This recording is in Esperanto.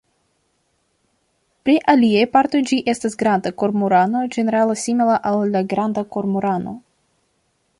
Pri aliaj partoj ĝi estas granda kormorano ĝenerale simila al la Granda kormorano.